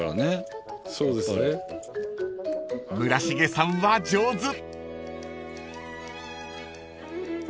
［村重さんは上手］